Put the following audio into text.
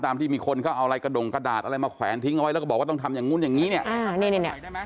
ที่มีคนเขาเอาอะไรกระดงกระดาษอะไรมาแขวนทิ้งเอาไว้แล้วก็บอกว่าต้องทำอย่างนู้นอย่างนี้เนี่ย